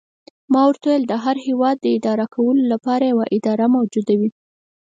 ما ورته وویل: د هر هیواد اداره کولو لپاره یوه اداره موجوده وي.